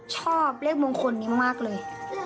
ชอบเลขมงคลนี้มากเลย